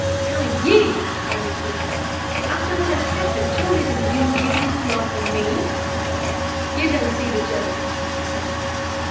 "Tell you!" I repeated. "After what has happened, surely it is your duty to enlighten me." "You don't see the joke," he said.